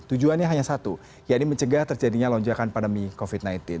tujuannya hanya satu yaitu mencegah terjadinya lonjakan pandemi covid sembilan belas